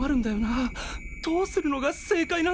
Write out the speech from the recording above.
どうするのが正解なんだろう。